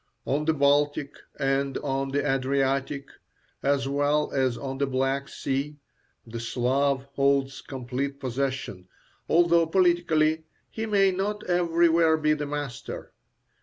On the Baltic and on the Adriatic, as well as on the Black Sea, the Slav holds complete possession, although politically he may not everywhere be the master.